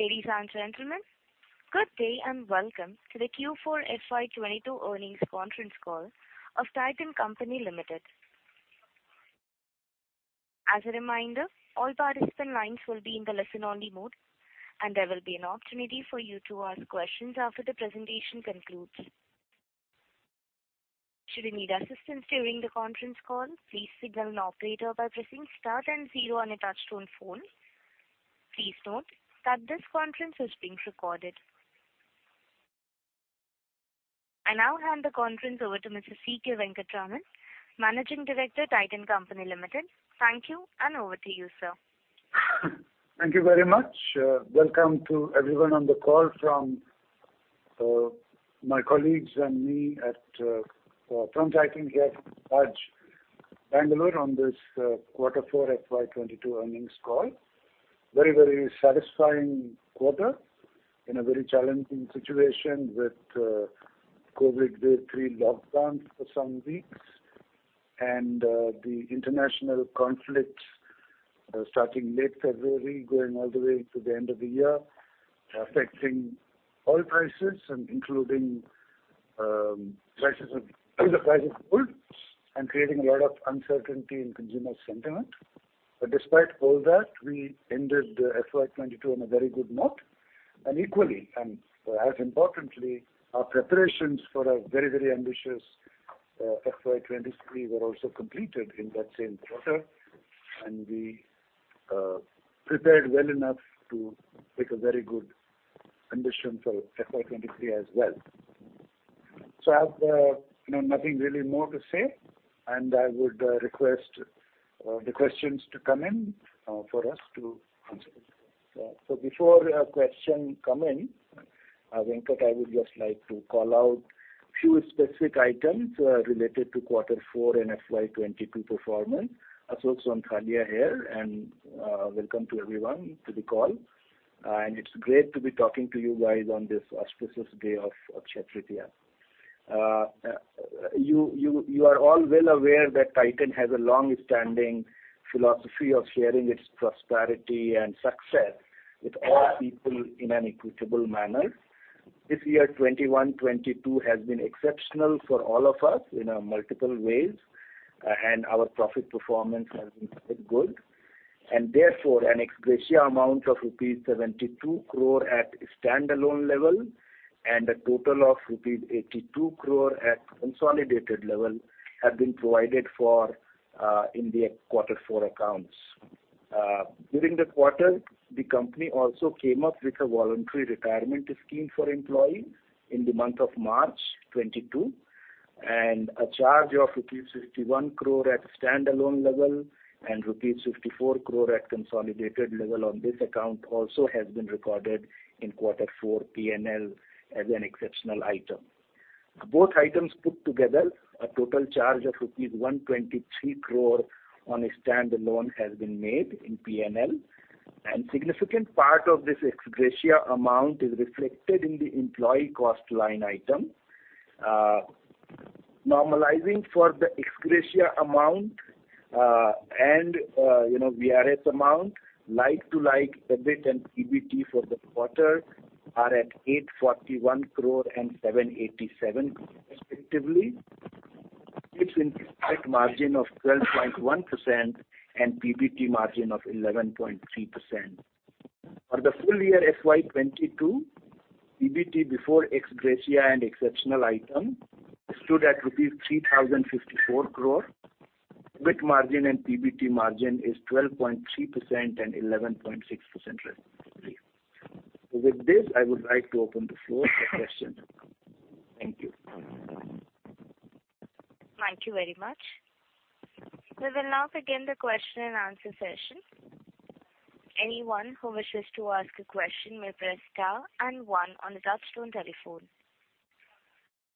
Ladies and gentlemen, good day and welcome to the Q4 FY22 earnings conference call of Titan Company Limited. As a reminder, all participant lines will be in the listen only mode, and there will be an opportunity for you to ask questions after the presentation concludes. Should you need assistance during the conference call, please signal an operator by pressing star and zero on your touchtone phone. Please note that this conference is being recorded. I now hand the conference over to Mr. C.K. Venkataraman, Managing Director, Titan Company Limited. Thank you and over to you, sir. Thank you very much. Welcome to everyone on the call from my colleagues and me at Titan here at Taj Bengaluru on this Q4 FY 2022 earnings call. Very, very satisfying quarter in a very challenging situation with COVID third-wave lockdowns for some weeks and the international conflict starting late February, going all the way to the end of the year, affecting oil prices and including prices of and creating a lot of uncertainty in consumer sentiment. Despite all that, we ended the FY22 on a very good note. Equally, as importantly, our preparations for a very, very ambitious FY23 were also completed in that same quarter. We prepared well enough to take a very good condition for FY23 as well. I have, you know, nothing really more to say, and I would request the questions to come in for us to answer. Before your question come in, Venkat, I would just like to call out few specific items related to quarter four and FY22 performance. And also Ashok Sonthalia here, and welcome to everyone to the call. It's great to be talking to you guys on this auspicious day of Akshaya Tritiya. You are all well aware that Titan has a long-standing philosophy of sharing its prosperity and success with all people in an equitable manner. This year, 2021-2022 has been exceptional for all of us in a multiple ways, and our profit performance has been quite good. Therefore, an ex-gratia amount of rupees 72 crore at standalone level and a total of rupees 82 crore at consolidated level have been provided for in the quarter four accounts. During the quarter, the company also came up with a voluntary retirement scheme for employees in the month of March 2022, and a charge of rupees 61 crore at standalone level and rupees 64 crore at consolidated level on this account also has been recorded in quarter four PNL as an exceptional item. Both items put together a total charge of rupees 123 crore on a standalone has been made in PNL, and significant part of this ex-gratia amount is reflected in the employee cost line item. Normalizing for the ex-gratia amount, and you know, VRS amount, like to like, EBIT and PBT for the quarter are at 841 crore and 787 crore respectively. It is an EBIT margin of 12.1% and PBT margin of 11.3%. For the full year FY22, PBT before ex-gratia and exceptional item stood at rupees 3,054 crore. EBIT margin and PBT margin is 12.3% and 11.6% respectively. With this, I would like to open the floor for questions. Thank you. Thank you very much. We will now begin the question and answer session. Anyone who wishes to ask a question may press star and one on the touchtone telephone.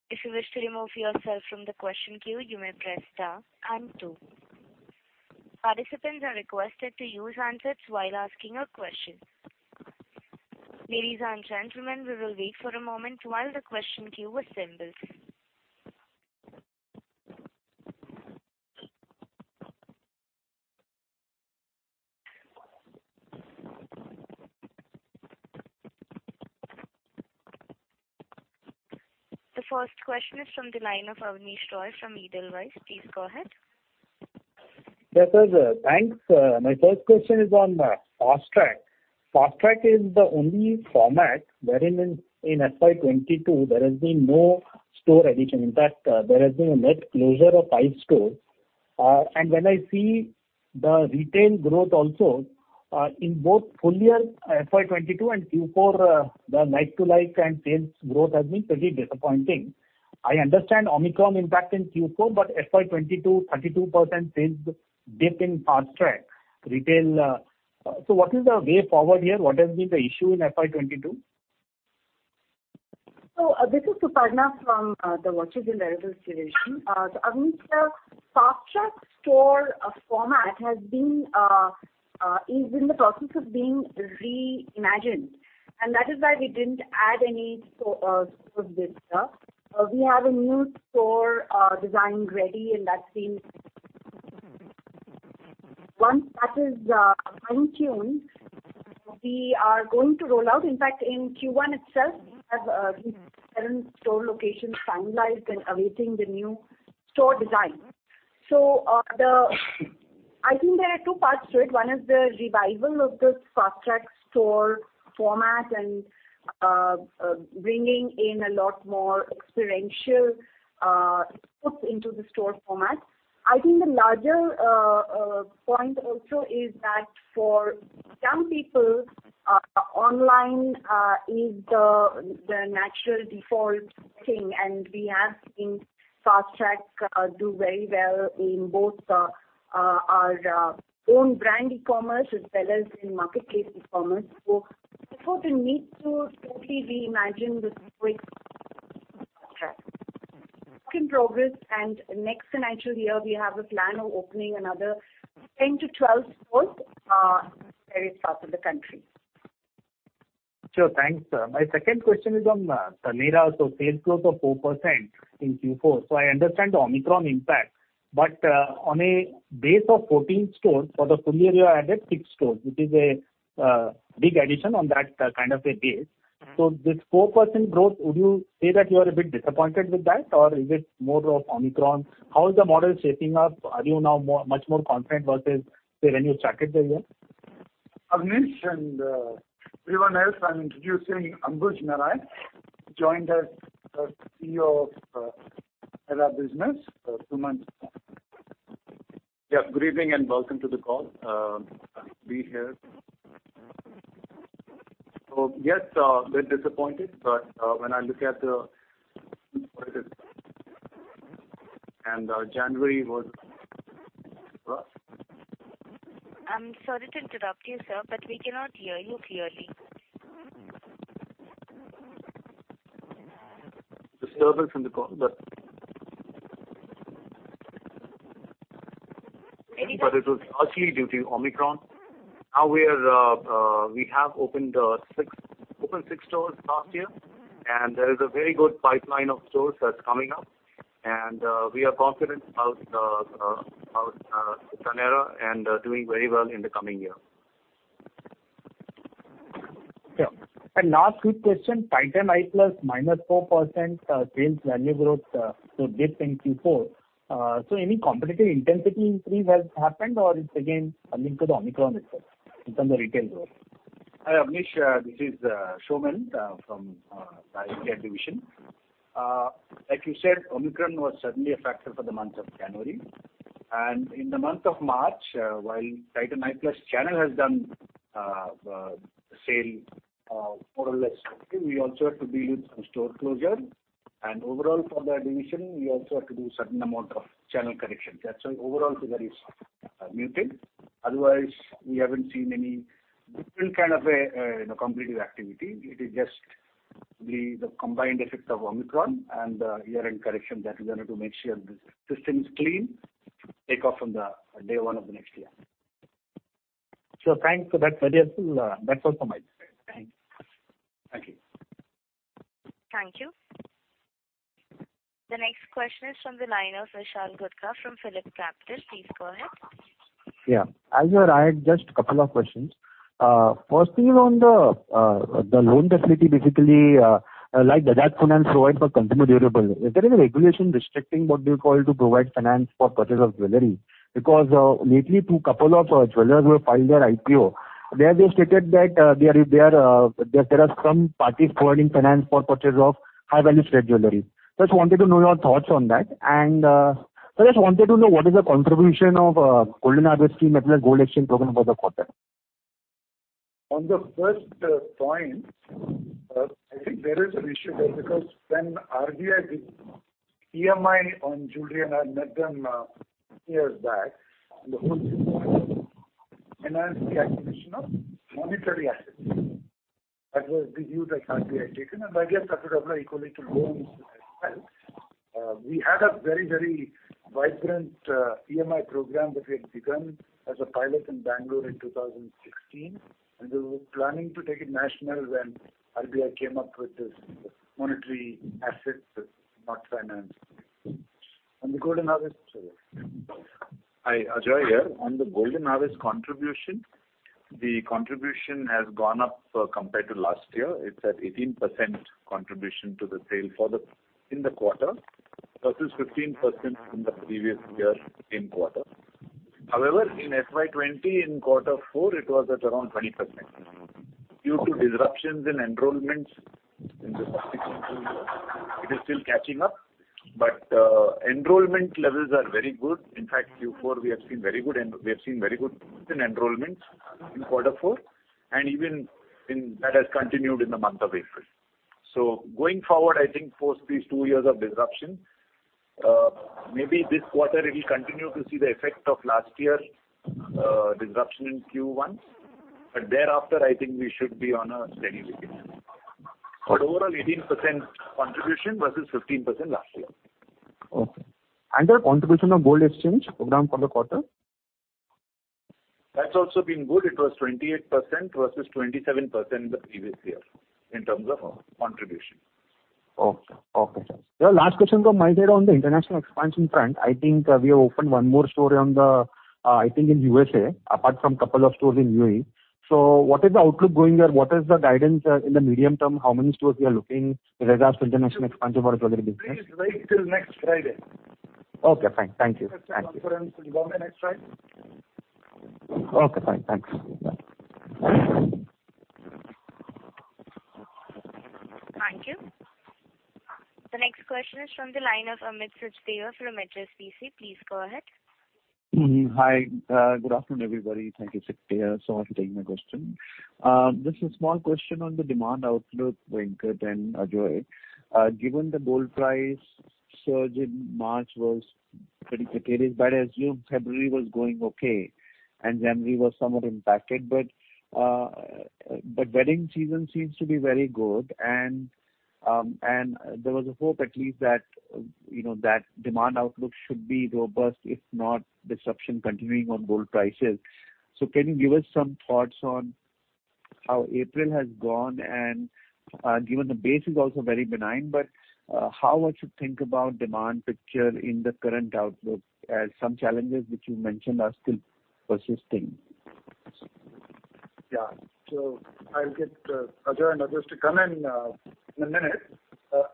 If you wish to remove yourself from the question queue, you may press star and two. Participants are requested to use handsets while asking a question. Ladies and gentlemen, we will wait for a moment while the question queue assembles. The first question is from the line of Abneesh Roy from Edelweiss. Please go ahead. Yes, sir. Thanks. My first question is on Fastrack. Fastrack is the only format wherein in FY22 there has been no store addition. In fact, there has been a net closure of five stores. When I see the retail growth also, in both full year FY22 and Q4, the like-for-like sales growth has been pretty disappointing. I understand Omicron impact in Q4, but FY22, 32% sales dip in Fastrack retail. What is the way forward here? What has been the issue in FY22? This is Suparna from the Watches and Wearables division. Abneesh, Fastrack store format is in the process of being reimagined, and that is why we didn't add any store this year. We have a new store design ready, and once that is fine-tuned, we are going to roll out. In fact, in Q1 itself, we have seven store locations finalized and awaiting the new store design. I think there are two parts to it. One is the revival of the Fastrack store format and bringing in a lot more experiential hooks into the store format. I think the larger point also is that for young people, online is the natural default thing, and we have seen Fastrack do very well in both our own brand e-commerce as well as in marketplace e-commerce. Therefore the need to totally reimagine the Fastrack. Work in progress, and next financial year we have a plan of opening another 10-12 stores various parts of the country. Sure. Thanks. My second question is on Taneira. Sales growth of 4% in Q4. I understand the Omicron impact, but on a base of 14 stores, for the full year you added 6 stores, which is a big addition on that kind of a base. This 4% growth, would you say that you are a bit disappointed with that or is it more of Omicron? How is the model shaping up? Are you now much more confident versus, say, when you started the year? Abneesh and everyone else, I'm introducing Ambuj Narayan, joined as CEO of our business a few months ago. Yeah. Good evening and welcome to the call. Happy to be here. Yes, bit disappointed, but when I look at the end and our January was I'm sorry to interrupt you, sir, but we cannot hear you clearly. Disturbance in the call. It was largely due to Omicron. Now we have opened six stores last year, and there is a very good pipeline of stores that's coming up. We are confident about Taneira and doing very well in the coming year. Sure. Last quick question. Titan EyePlus, -4%, same value growth, so dip in Q4. Any competitive intensity increase has happened or it's again linked to the Omicron itself in terms of retail growth? Hi, Abneesh, this is Saumen from the Eyecare division. Like you said, Omicron was certainly a factor for the month of January. In the month of March, while Titan EyePlus channel has done sale more or less okay, we also have to deal with some store closure. Overall for the division, we also have to do certain amount of channel correction. That's why overall figure is muted. Otherwise we haven't seen any different kind of a you know competitive activity. It is just the combined effect of Omicron and the year-end correction that we wanted to make sure the system is clean to take off from the day one of the next year. Sure. Thanks for that,[a]. That's all from my side. Thanks. Thank you. Thank you. The next question is from the line of Vishal Gutka from PhillipCapital. Please go ahead. Yeah, Ajoy. I had just a couple of questions. Firstly on the loan facility basically, like Bajaj Finance provide for consumer durable, is there any regulation restricting what they call to provide finance for purchase of jewelry? Because lately a couple of jewelers who have filed their IPO, they stated that there are some parties providing finance for purchase of high value set jewelry. Just wanted to know your thoughts on that. Just wanted to know what is the contribution of Golden Harvest Scheme as well as gold exchange program for the quarter. On the first point, I think there is an issue there because when RBI did EMI on jewelry and had not done years back, and the whole enhance the accumulation of monetary assets. That was the view that RBI had taken, and I guess that would apply equally to loans as well. We had a very vibrant EMI program that we had begun as a pilot in Bangalore in 2016, and we were planning to take it national when RBI came up with this monetary assets not financed. On the Golden Harvest, sorry. Hi, Ajoy here. On the Golden Harvest contribution, the contribution has gone up compared to last year. It's at 18% contribution to the sale in the quarter versus 15% in the previous year in quarter. However, in FY20 in quarter four, it was at around 20%. Due to disruptions in enrollments in the subsequent two years, it is still catching up. Enrollment levels are very good. In fact, Q4, we have seen very good growth in enrollments in quarter four, and even in that has continued in the month of April. Going forward, I think post these two years of disruption, maybe this quarter it'll continue to see the effect of last year's disruption in Q1, but thereafter I think we should be on a steady regime. Overall 18% contribution versus 15% last year. Okay. Their contribution of gold exchange program for the quarter? That's also been good. It was 28% versus 27% the previous year in terms of contribution. Okay. The last question from my side on the international expansion front, I think we have opened one more store, I think in USA apart from couple of stores in UAE. What is the outlook going there? What is the guidance in the medium term? How many stores we are looking with regards to international expansion for the business? Please wait till next Friday. Okay, fine. Thank you. Press conference in Bombay next Friday. Okay, fine. Thanks. Bye. Thank you. The next question is from the line of Amit Sachdeva from ICICI. Please go ahead. Hi. Good afternoon, everybody. Thank you, [a], for taking my question. Just a small question on the demand outlook, Venkat and Ajoy. Given the gold price surge in March was pretty precipitous, but I assume February was going okay and January was somewhat impacted. Wedding season seems to be very good and there was a hope at least that, you know, that demand outlook should be robust, if not disruption continuing on gold prices. Can you give us some thoughts on how April has gone? Given the base is also very benign, but how one should think about demand picture in the current outlook as some challenges which you mentioned are still persisting? Yeah. I'll get Ajoy and others to come in in a minute.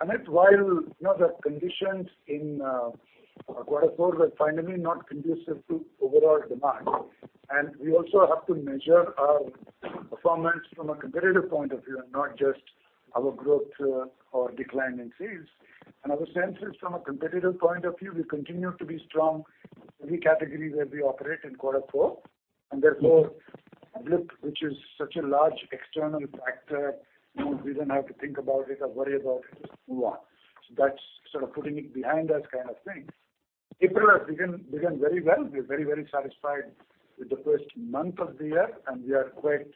Amit, while you know the conditions in quarter four were finally not conducive to overall demand, and we also have to measure our performance from a competitive point of view and not just our growth or decline in sales. Our sense is from a competitive point of view, we continue to be strong in every category where we operate in quarter four. Therefore, blip, which is such a large external factor, you know, we don't have to think about it or worry about it, just move on. That's sort of putting it behind us kind of thing. April has begun very well. We're very, very satisfied with the first month of the year, and we are quite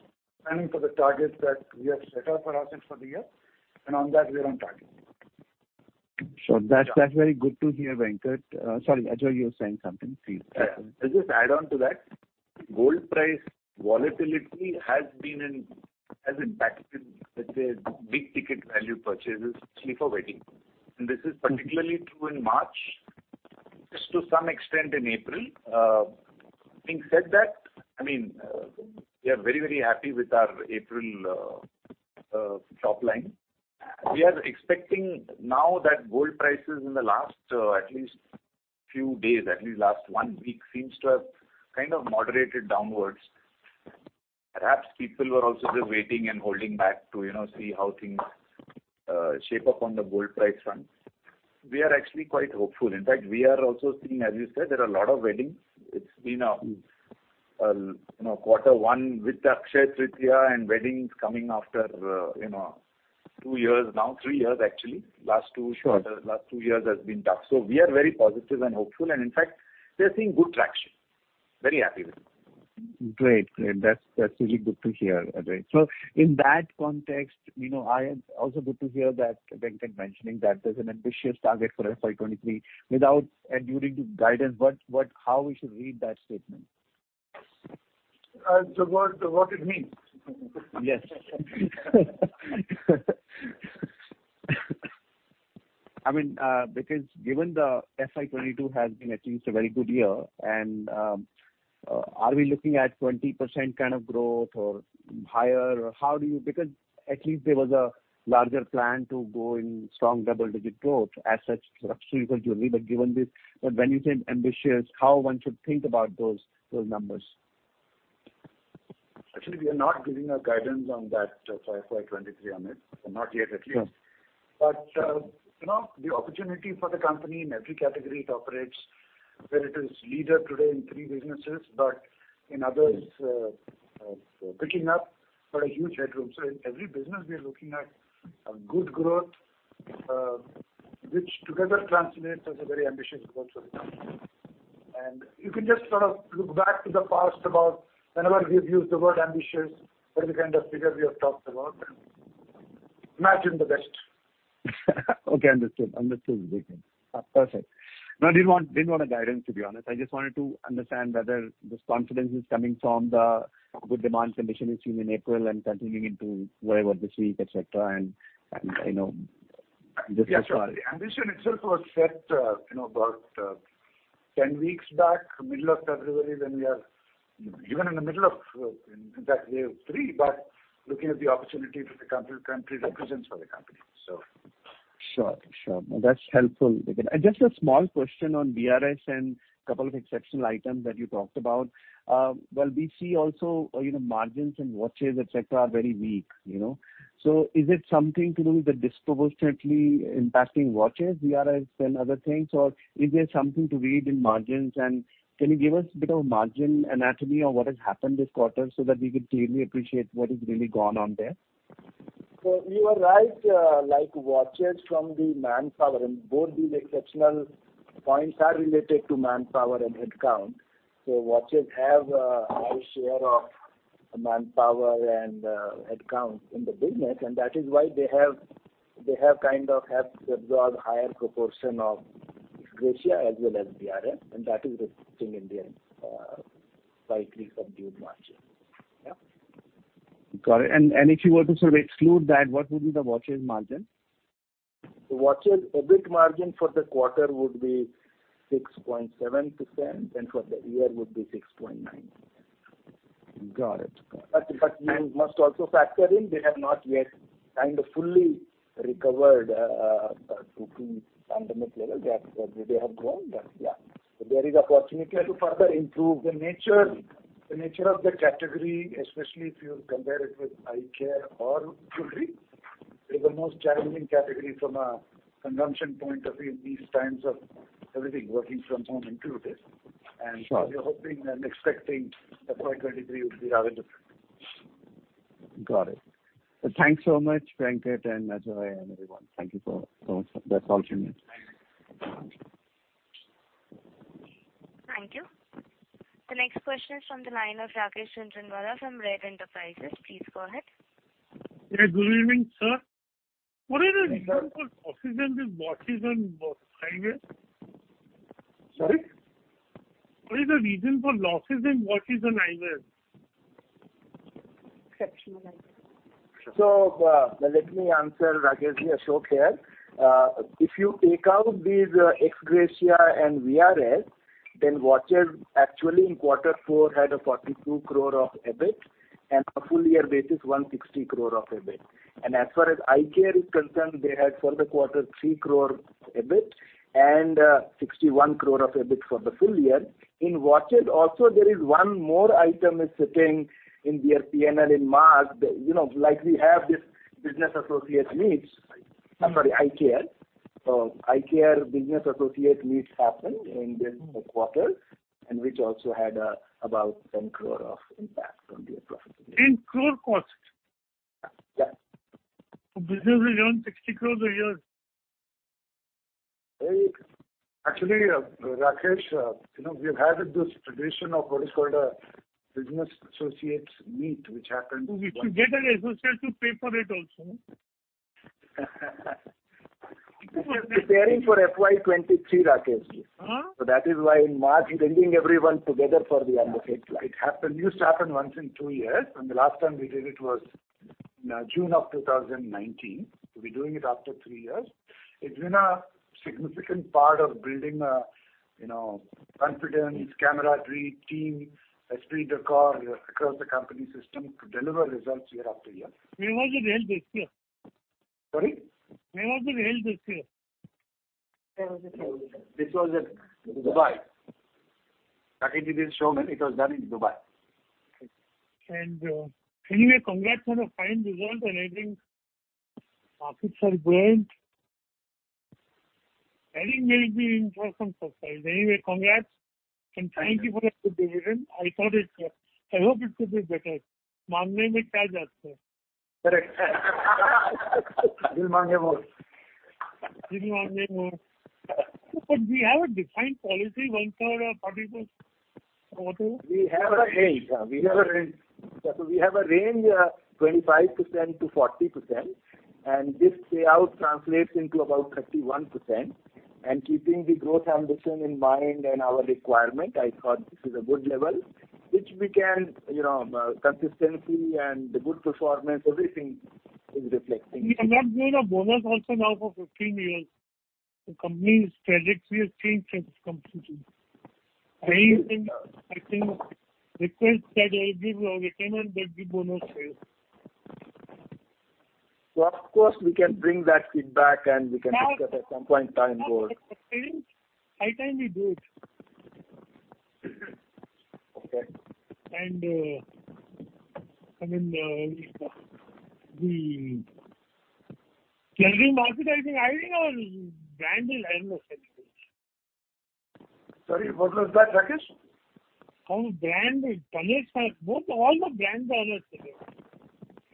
planning for the targets that we have set up for ourselves for the year. On that, we are on target. Sure. That's very good to hear, Venkat. Sorry, Ajoy, you were saying something. Please. Yeah. I'll just add on to that. Gold price volatility has impacted, let's say, big ticket value purchases, especially for wedding. This is particularly true in March, just to some extent in April. Having said that, I mean, we are very, very happy with our April top line. We are expecting now that gold prices in the last at least few days, at least last one week, seems to have kind of moderated downwards. Perhaps people were also just waiting and holding back to, you know, see how things shape up on the gold price front. We are actually quite hopeful. In fact, we are also seeing, as you said, there are a lot of weddings. It's been a. Mm-hmm You know, quarter one with Akshaya Tritiya and weddings coming after, you know, two years now, three years actually. Sure Last two years has been tough. We are very positive and hopeful. In fact, we are seeing good traction. Very happy with it. Great. That's really good to hear, Ajoy. In that context, you know, also good to hear that Venkat mentioning that there's an ambitious target for FY23 without adhering to guidance, what, how we should read that statement? What it means? Yes. I mean, because given the FY22 has been at least a very good year and, are we looking at 20% kind of growth or higher? Because at least there was a larger plan to go in strong double-digit growth as such structurally. Given this, when you say ambitious, how one should think about those numbers? Actually, we are not giving a guidance on that, for FY23, Amit. Not yet at least. Yeah. You know, the opportunity for the company in every category it operates, where it is leader today in three businesses, but in others, picking up for a huge headroom. In every business we are looking at a good growth, which together translates as a very ambitious growth for the company. You can just sort of look back to the past about whenever we've used the word ambitious, what is the kind of figure we have talked about, and imagine the best. Okay, understood. Understood, Venkat. Perfect. No, I didn't want a guidance, to be honest. I just wanted to understand whether this confidence is coming from the good demand conditions we've seen in April and continuing into whatever this week, et cetera. Yeah, sure. The ambition itself was set, you know, about 10 weeks back, middle of February, when we are even in the middle of, in fact, wave three, but looking at the opportunity that the country represents for the company. Sure. No, that's helpful, Venkat. Just a small question on VRS and couple of exceptional items that you talked about. Well, we see also, you know, margins in watches, et cetera, are very weak, you know. Is it something to do with the disproportionately impacting watches, VRS and other things? Or is there something to read in margins? Can you give us a bit of margin anatomy on what has happened this quarter so that we could really appreciate what has really gone on there? You are right. Like, watches from the brand cover and both these exceptional points are related to manpower and headcount. Watches have a high share of manpower and headcount in the business, and that is why they have kind of absorbed higher proportion of ex-gratia as well as VRS, and that is reflecting in their slightly subdued margin. Yeah. Got it. If you were to sort of exclude that, what would be the watches margin? The Watches EBIT margin for the quarter would be 6.7%, and for the year would be 6.9%. Got it. Got it. You must also factor in that they have not yet kind of fully recovered to fundamental level. They have grown, but yeah. There is opportunity to further improve. The nature of the category, especially if you compare it with eye care or jewelry, is the most challenging category from a consumption point of view these times of everything, working from home included. Sure. We're hoping and expecting FY23 will be rather different. Got it. Thanks so much, Venkat and Ajoy and everyone. Thank you for. That's all [we] need. Thank you. The next question is from the line of Rakesh Jhunjhunwala from RARE Enterprises. Please go ahead. Yeah, good evening, sir. What is the reason for losses in watches and eyewear? Sorry? What is the reason for losses in watches and eyewear? Exceptional items. Let me answer, Rakesh, Ashok here. If you take out these ex-gratia and VRS, then watches actually in quarter four had 42 crore of EBIT, and a full year basis, 160 crore of EBIT. As far as eye care is concerned, they had for the quarter 3 crore EBIT and, 61 crore of EBIT for the full year. In watches also there is one more item is sitting in their PNL in March. You know, like we have this business associates meets. I'm sorry, eye care. Eye care business associate meets happened in this quarter, and which also had, about 10 crore of impact on their profitability. 10 crore cost? Yeah. Business is only 60 crore a year. Actually, Rakesh, you know, we've had this tradition of what is called a business associates meet which happened- You get an associate to pay for it also. Preparing for FY23, Rakesh. Huh? That is why in March we're bringing everyone together for the associate meet. It happened, used to happen once in two years, and the last time we did it was, June of 2019. We're doing it after three years. It's been a significant part of building, you know, confidence, camaraderie, team esprit de corps across the company system to deliver results year-after-year. Where was it held this year? Sorry? Where was it held this year? Where was it held? This was in Dubai. Rakesh, it is shown that it was done in Dubai. Anyway, congrats on a fine result. I think market share growing. Adding maybe in for some surprise. Anyway, congrats, and thank you for the good dividend. I thought it. I hope it could be better. Correct. [Dil Maange More. Dil Maange More.] We have a defined policy, 1/3 or 40% or whatever. We have a range, 25%-40%, and this payout translates into about 31%. Keeping the growth ambition in mind and our requirement, I thought this is a good level, which we can consistently and the good performance, everything is reflecting. We are not giving a bonus also now for 15 years. The company's trajectory has changed completely. I think request that give return and then give bonus also. Of course, we can bring that feedback, and we can look at it some point in time board. I think we do it. Okay. I mean, can we market sizing? I think our brand is Sorry, what was that, Rakesh? Our brand is Panache, both, all the brands are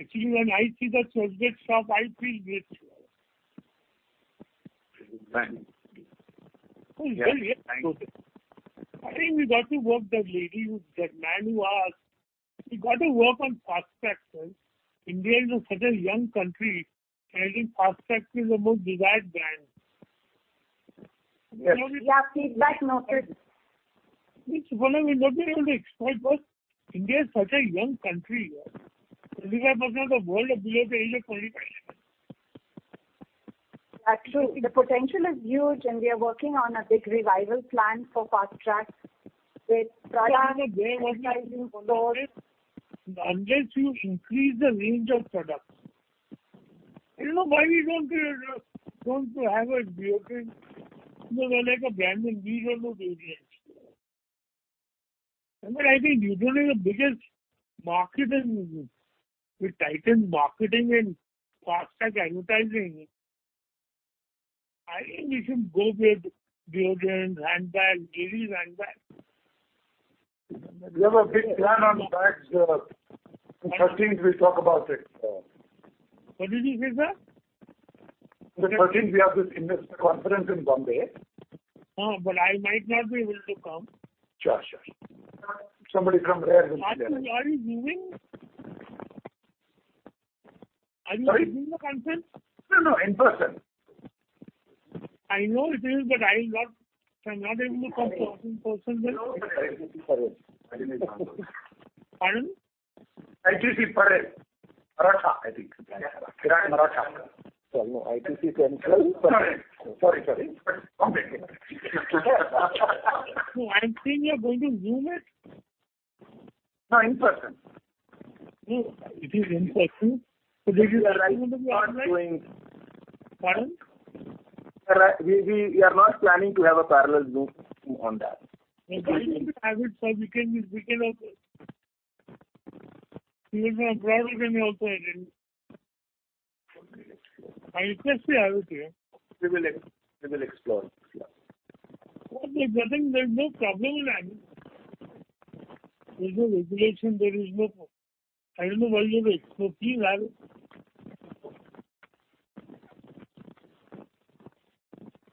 Actually, when I see the Zellbury stuff, I feel grateful. Thank you. Oh, yeah. Thank you. I think we got to work that man who asked, we got to work on Fastrack, sir. India is such a young country, and I think Fastrack is the most desired brand. Yes. Yeah, feedback noted. Which one are we not able to explain? India is such a young country. If I was not a world leader, India could be fine. Actually, the potential is huge, and we are working on a big revival plan for Fastrack with product- Unless you increase the range of products. You know why we don't have a deodorant? Because we're like a brand in these or those areas. Remember, I think you don't need the biggest market in with Titan marketing and Fastrack advertising. I think we should go with deodorant, handbag, ladies handbag. We have a big plan on the bags. On 13th we'll talk about it. What did you say, sir? The 13th we have this investor conference in Bombay. Oh, I might not be able to come. Sure, sure. Are you Zooming? Doing a conference? No, no, in person. I know it is, but if I'm not able to come in person then. ITC Parel Grand Maratha. Maratha, I think. ITC Maratha. No, ITC Maratha. Sorry. Bombay. No, I'm saying you are going to Zoom it? No, in person. No, it is in person. We are not doing. Pardon? We are not planning to have a parallel Zoom on that. Why don't you have it, sir? We can also. People from abroad can also attend. We will explore. Well, there's nothing. There's no problem in adding. There's no regulation. I don't know why you're hesitating, sir.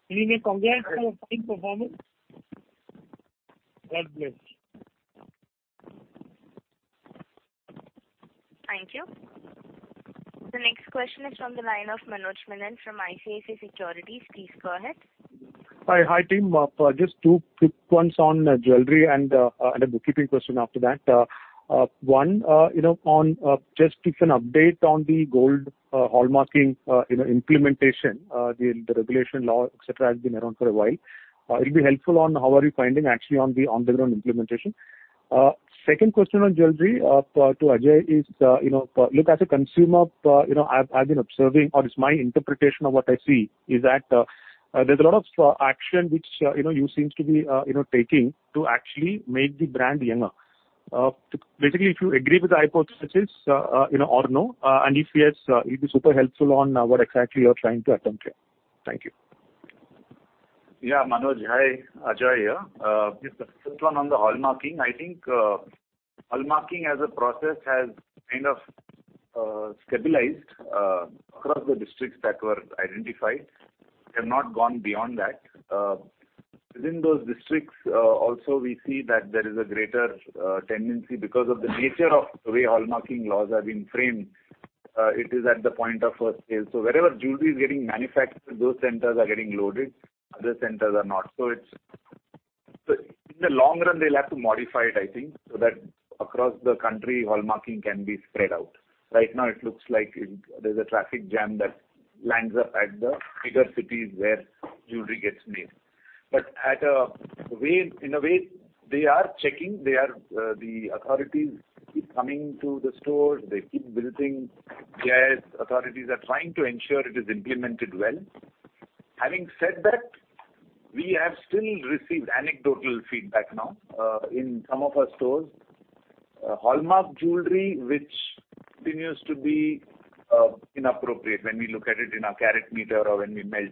Anyway, congrats on a fine performance. God bless. Thank you. The next question is from the line of Manoj Menon from ICICI Securities. Please go ahead. Hi. Hi, team. Just two quick ones on jewelry and a bookkeeping question after that. One, you know, on just an update on the gold hallmarking, you know, implementation, the regulation law, et cetera, has been around for a while. It'll be helpful on how are you finding actually on the on-the-ground implementation. Second question on jewelry to Ajoy is, you know, look, as a consumer, you know, I've been observing, or it's my interpretation of what I see, is that there's a lot of action which, you know, you seems to be, you know, taking to actually make the brand younger. Basically, if you agree with the hypothesis, you know, or no, and if yes, it'd be super helpful on what exactly you're trying to attempt here. Thank you. Yeah, Manoj. Hi. Ajoy here. Just the first one on the hallmarking. I think, hallmarking as a process has kind of stabilized across the districts that were identified. We have not gone beyond that. Within those districts, also we see that there is a greater tendency because of the nature of the way hallmarking laws have been framed, it is at the point of first sale. So wherever jewelry is getting manufactured, those centers are getting loaded, other centers are not. So it's. In the long run, they'll have to modify it, I think, so that across the country, hallmarking can be spread out. Right now it looks like it there's a traffic jam that ends up at the bigger cities where jewelry gets made. But anyway, in a way, they are checking. They are, the authorities keep coming to the stores. They keep visiting JAs. Authorities are trying to ensure it is implemented well. Having said that, we have still received anecdotal feedback now, in some of our stores. Hallmark jewelry continues to be inappropriate when we look at it in our karat meter or when we melt.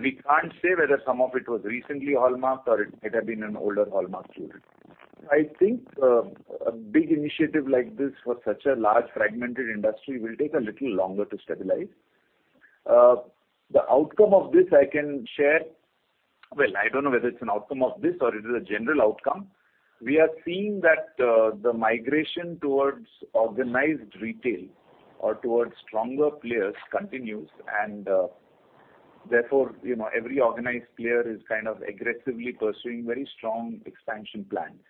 We can't say whether some of it was recently hallmarked or it might have been an older hallmark jewelry. I think, a big initiative like this for such a large fragmented industry will take a little longer to stabilize. The outcome of this I can share. Well, I don't know whether it's an outcome of this or it is a general outcome. We are seeing that the migration towards organized retail or towards stronger players continues, and therefore, you know, every organized player is kind of aggressively pursuing very strong expansion plans.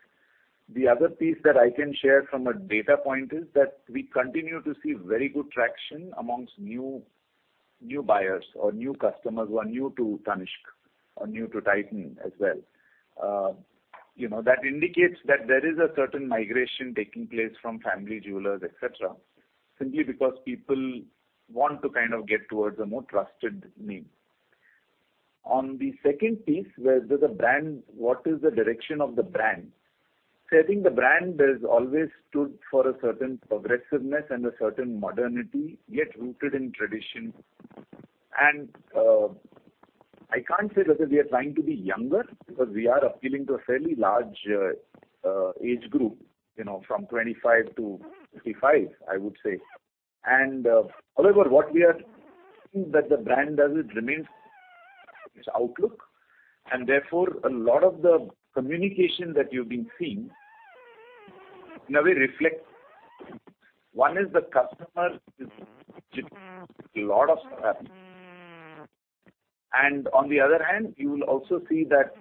The other piece that I can share from a data point is that we continue to see very good traction amongst new buyers or new customers who are new to Tanishq or new to Titan as well. You know, that indicates that there is a certain migration taking place from family jewelers, et cetera, simply because people want to kind of get towards a more trusted name. On the second piece, where the brand what is the direction of the brand. See, I think the brand has always stood for a certain progressiveness and a certain modernity, yet rooted in tradition. I can't say whether we are trying to be younger because we are appealing to a fairly large age group, you know, from 25 to 55, I would say. However, what we are seeing that the brand doesn't remain its outlook, and therefore a lot of the communication that you've been seeing in a way reflect, one is the customer is a lot of. On the other hand, you will also see that-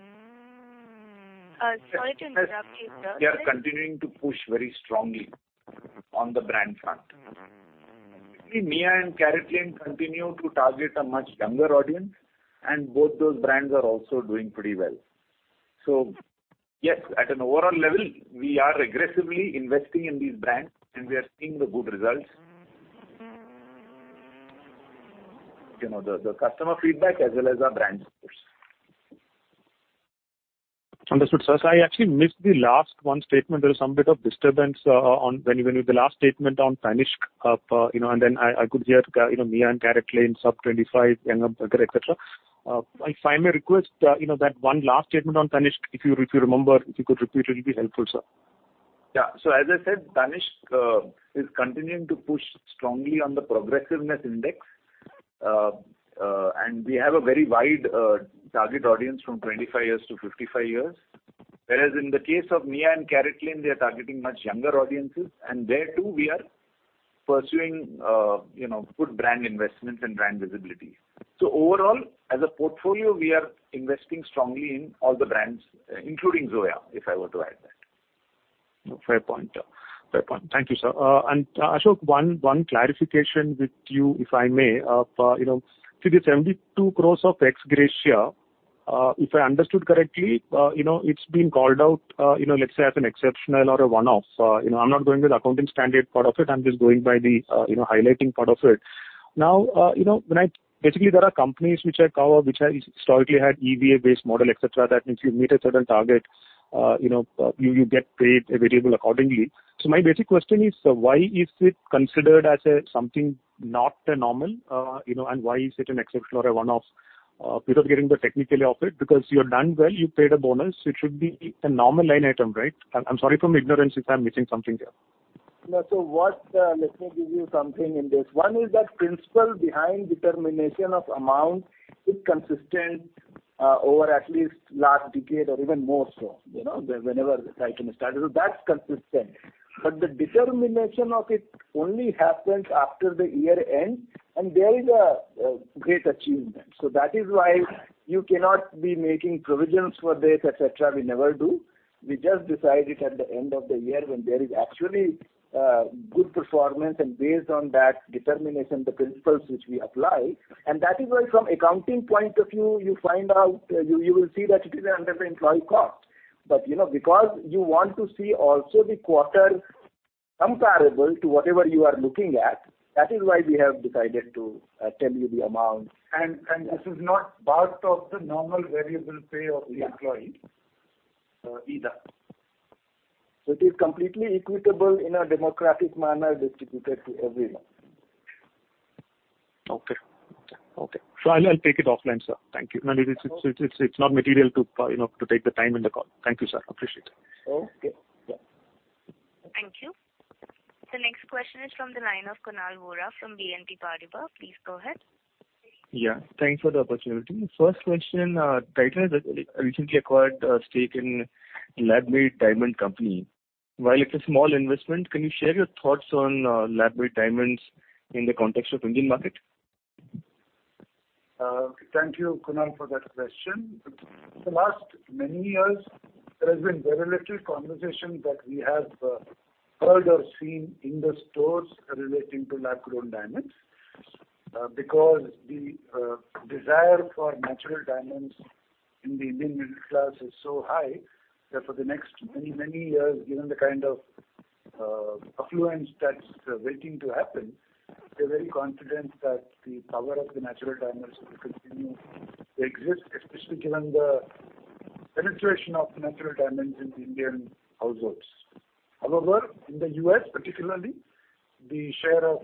Sorry to interrupt you, sir. We are continuing to push very strongly on the brand front. Mia and CaratLane continue to target a much younger audience, and both those brands are also doing pretty well. Yes, at an overall level, we are aggressively investing in these brands, and we are seeing the good results. You know, the customer feedback as well as our brand scores. Understood, sir. I actually missed the last one statement. There was some bit of disturbance, the last statement on Tanishq, you know, and then I could hear, you know, Mia and CaratLane, sub 25, younger, et cetera. If I may request, you know, that one last statement on Tanishq, if you remember, if you could repeat, it'll be helpful, sir. Yeah. As I said, Tanishq is continuing to push strongly on the progressiveness index. We have a very wide target audience from 25 years to 55 years. Whereas in the case of Mia and CaratLane, they are targeting much younger audiences, and there, too, we are pursuing, you know, good brand investments and brand visibility. Overall, as a portfolio, we are investing strongly in all the brands, including Zoya, if I were to add that. Fair point. Fair point. Thank you, sir. Ashok, one clarification with you, if I may. You know, the 72 crore of ex gratia, if I understood correctly, you know, it's been called out, you know, let's say as an exceptional or a one-off. Basically, there are companies which I cover which has historically had EVA-based model, et cetera. That means you meet a certain target, you know, you get paid a variable accordingly. My basic question is, why is it considered as a something not a normal, you know, and why is it an exceptional or a one-off? Without getting the technical of it, because you have done well, you paid a bonus, it should be a normal line item, right? I'm sorry for my ignorance if I'm missing something here. No. What, let me give you something in this. One is that principle behind determination of amount is consistent, over at least last decade or even more so, you know, whenever Titan has started. That's consistent. The determination of it only happens after the year ends, and there is a great achievement. That is why you cannot be making provisions for this, et cetera. We never do. We just decide it at the end of the year when there is actually good performance, and based on that determination, the principles which we apply. That is why, from accounting point of view, you find out, you will see that it is under the employee cost. You know, because you want to see also the quarter comparable to whatever you are looking at, that is why we have decided to tell you the amount. This is not part of the normal variable pay of the employee, either. It is completely equitable in a democratic manner distributed to everyone. Okay. I'll take it offline, sir. Thank you. No, it's not material to, you know, to take the time in the call. Thank you, sir. Appreciate it. Okay. Yeah. Thank you. The next question is from the line of Kunal Vora from BNP Paribas. Please go ahead. Yeah. Thanks for the opportunity. First question, Titan has recently acquired a stake in lab-made diamond company. While it's a small investment, can you share your thoughts on lab-made diamonds in the context of Indian market? Thank you, Kunal, for that question. The last many years, there has been very little conversation that we have heard or seen in the stores relating to lab-grown diamonds. Because the desire for natural diamonds in the Indian middle class is so high that for the next many, many years, given the kind of affluence that's waiting to happen, we're very confident that the power of the natural diamonds will continue to exist, especially given the penetration of the natural diamonds in the Indian households. However, in the U.S. particularly, the share of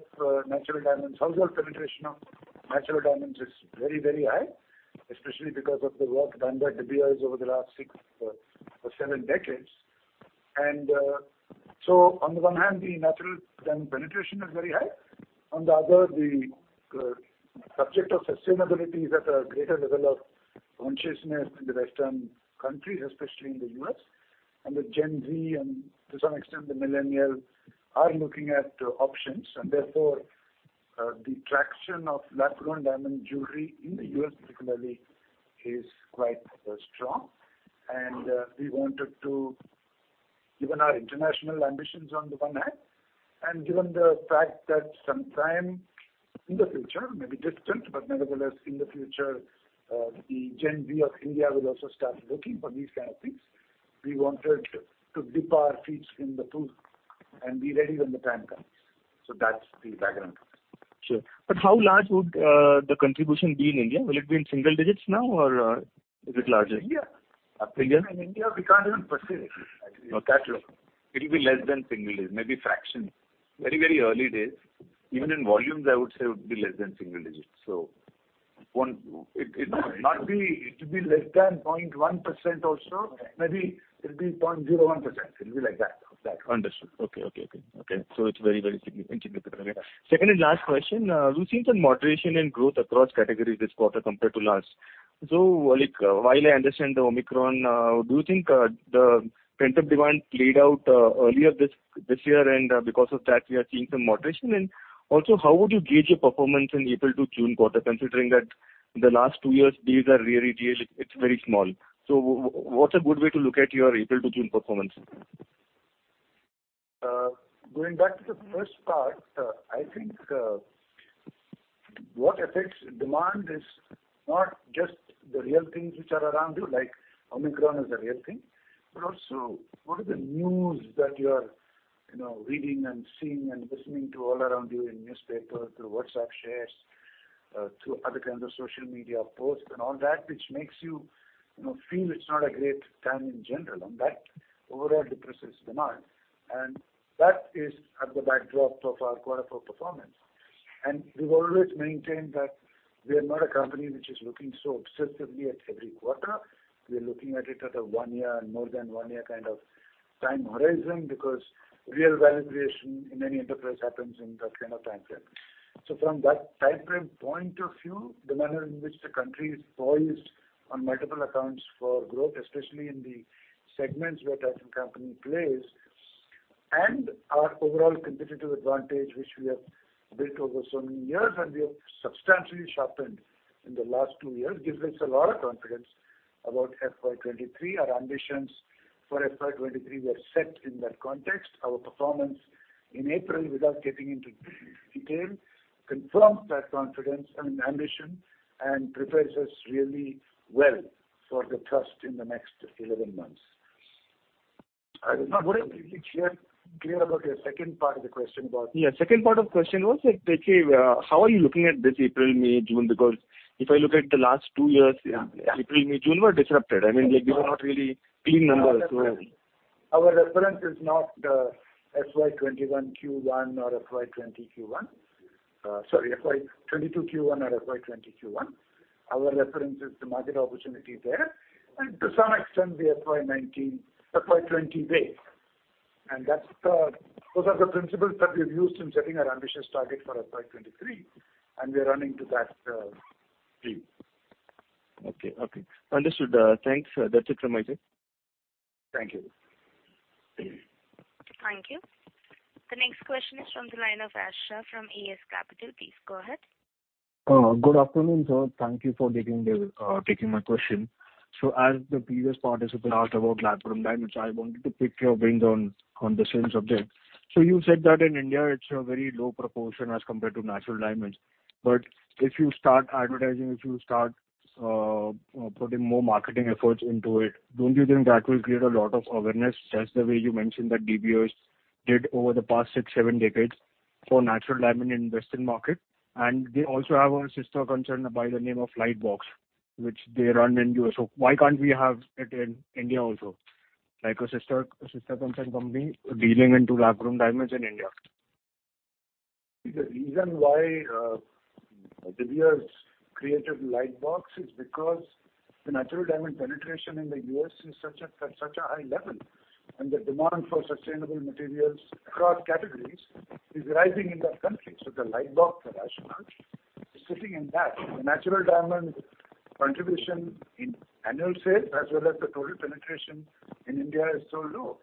natural diamonds, household penetration of natural diamonds is very, very high, especially because of the work done by De Beers over the last six or seven decades. On the one hand, the natural diamond penetration is very high. On the other, the subject of sustainability is at a greater level of consciousness in the Western countries, especially in the U.S. The Gen Z and to some extent the millennials are looking at options, and therefore, the traction of lab-grown diamond jewelry in the U.S. particularly is quite strong. Given our international ambitions on the one hand, and given the fact that sometime in the future, maybe distant, but nevertheless in the future, the Gen Z of India will also start looking for these kind of things. We wanted to dip our feet in the pool and be ready when the time comes. That's the background. Sure. How large would the contribution be in India? Will it be in single digits now or is it larger? India. India. In India, we can't even perceive it. Okay. It'll be less than single digits, maybe fraction. Very, very early days. Even in volumes, I would say it would be less than single digits. No, it might be, it could be less than 0.1% also. Maybe it'll be 0.01%. It'll be like that. Understood. Okay, it's very, very significant. Second and last question. We've seen some moderation in growth across categories this quarter compared to last. Like, while I understand the Omicron, do you think the pent-up demand played out earlier this year, and because of that, we are seeing some moderation? Also, how would you gauge your performance in April to June quarter, considering that the last two years, it's very small. What's a good way to look at your April to June performance? Going back to the first part, I think what affects demand is not just the real things which are around you, like Omicron is a real thing. Also what is the news that you are, you know, reading and seeing and listening to all around you in newspaper, through WhatsApp shares, through other kinds of social media posts and all that, which makes you know, feel it's not a great time in general, and that overall depresses demand. That is at the backdrop of our quarter four performance. We've always maintained that we are not a company which is looking so obsessively at every quarter. We are looking at it at a one year and more than one year kind of time horizon, because real value creation in any enterprise happens in that kind of time frame. From that time frame point of view, the manner in which the country is poised on multiple accounts for growth, especially in the segments where Titan Company plays, and our overall competitive advantage, which we have built over so many years and we have substantially sharpened in the last two years, gives us a lot of confidence about FY23. Our ambitions for FY23 were set in that context. Our performance in April, without getting into detail, confirms that confidence and ambition and prepares us really well for the thrust in the next 11 months. I was not completely clear about your second part of the question about Yeah, second part of the question was that, actually, how are you looking at this April, May, June? Because if I look at the last two years- Yeah, yeah. April, May, June were disrupted. I mean, like, these were not really clean numbers. Our reference is not the FY21 Q1 or FY20 Q1. Sorry, FY22 Q1 or FY20 Q1. Our reference is the market opportunity there, and to some extent the FY20 base. Those are the principles that we've used in setting our ambitious target for FY23, and we are running to that speed. Okay. Understood. Thanks. That's it from my side. Thank you. Thank you. The next question is from the line of Ash Shah from AS Capital. Please go ahead. Good afternoon, sir. Thank you for taking my question. As the previous participant asked about lab-grown diamonds, I wanted to pick your brains on the same subject. You said that in India it's a very low proportion as compared to natural diamonds. If you start advertising, if you start putting more marketing efforts into it, don't you think that will create a lot of awareness, just the way you mentioned that De Beers did over the past six, seven decades for natural diamond in Western market? They also have a sister concern by the name of Lightbox, which they run in the U.S. Why can't we have it in India also, like a sister concern company dealing into lab-grown diamonds in India? The reason why De Beers created Lightbox is because the natural diamond penetration in the U.S. is such a high level, and the demand for sustainable materials across categories is rising in that country. The Lightbox rationale is sitting in that. The natural diamond contribution in annual sales, as well as the total penetration in India is so low.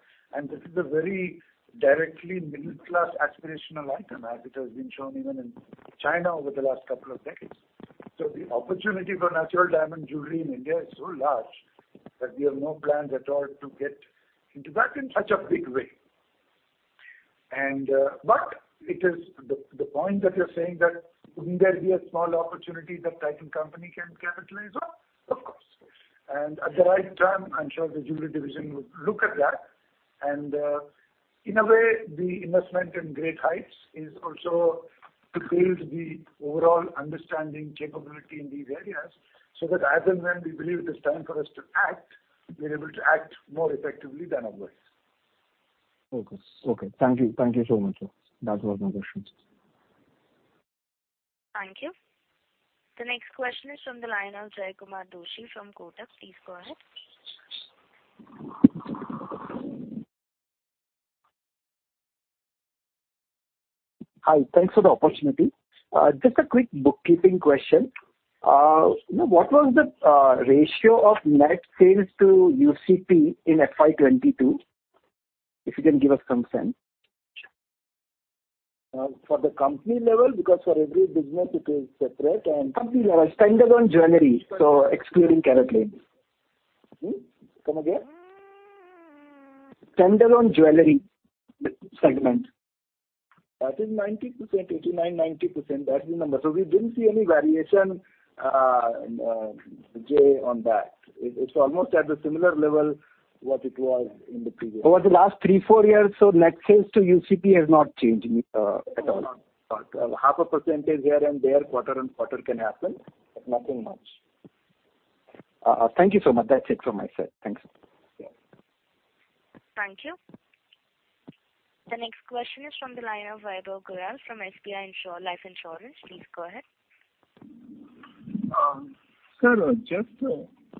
This is a very directly middle class aspirational item as it has been shown even in China over the last couple of decades. The opportunity for natural diamond jewelry in India is so large that we have no plans at all to get into that in such a big way. It is the point that you're saying that wouldn't there be a small opportunity that Titan Company can capitalize on? Of course. At the right time, I'm sure the jewelry division would look at that. In a way, the investment in Great Heights is also to build the overall understanding capability in these areas, so that as and when we believe it is time for us to act, we're able to act more effectively than otherwise. Focus. Okay. Thank you. Thank you so much, sir. That was my question. Thank you. The next question is from the line of Jaykumar Doshi from Kotak. Please go ahead. Hi, thanks for the opportunity. Just a quick bookkeeping question. What was the ratio of net sales to UCP in FY22? If you can give us some sense. For the company level, because for every business it is separate. Company level. Stand-alone jewelry, so excluding CaratLane. Come again. Stand-alone jewelry segment. That is 90%, 89, 90%. That's the number. So we didn't see any variation, Jay, on that. It's almost at the similar level what it was in the previous years. Over the last three, four years, so net sales to UCP has not changed at all? Half a percentage here and there, quarter-on-quarter can happen, but nothing much. Thank you so much. That's it from my side. Thanks. Yes. Thank you. The next question is from the line of Vaibhav Goyal from SBI Life Insurance. Please go ahead. Sir, just